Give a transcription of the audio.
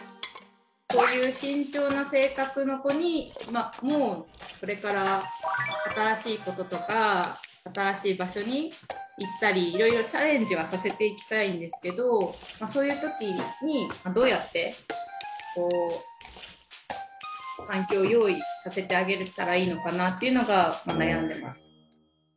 こういう慎重な性格の子にもこれから新しいこととか新しい場所に行ったりいろいろチャレンジはさせていきたいんですけどそういう時にどうやって環境を用意させてあげれたらいいのかなっていうのが悩んでます。